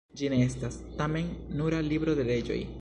Ĝi ne estas, tamen, nura libro de leĝoj.